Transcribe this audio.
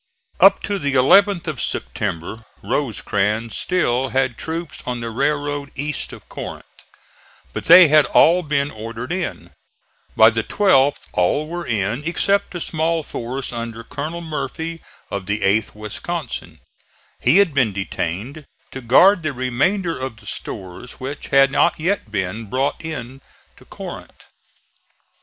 Up to the 11th of September Rosecrans still had troops on the railroad east of Corinth, but they had all been ordered in. By the 12th all were in except a small force under Colonel Murphy of the 8th Wisconsin. He had been detained to guard the remainder of the stores which had not yet been brought in to Corinth.